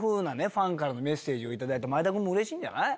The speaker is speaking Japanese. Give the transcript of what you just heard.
ファンからのメッセージを頂いて前田君も嬉しいんじゃない？